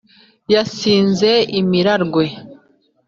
yasinze imirarwe